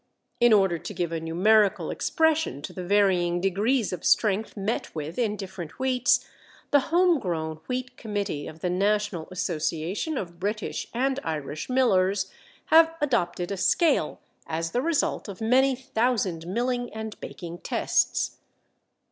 In order to give a numerical expression to the varying degrees of strength met with in different wheats, the Home Grown Wheat Committee of the National Association of British and Irish Millers have adopted a scale as the result of many thousand milling and baking tests.